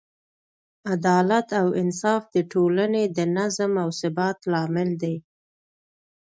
عدالت او انصاف د ټولنې د نظم او ثبات لامل دی.